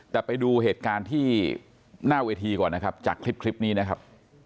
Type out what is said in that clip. แต่ไปดูเหตุการณ์ที่หน้าเวทีก่อนนะครับจากคลิปนี้นะครับ